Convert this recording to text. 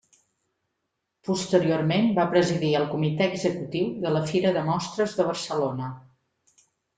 Posteriorment va presidir el comitè executiu de la Fira de Mostres de Barcelona.